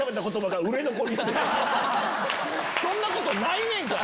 そんなことないねんから！